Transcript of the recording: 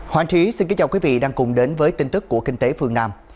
hoàng trí xin kính chào quý vị đang cùng đến với tin tức của kinh tế phương nam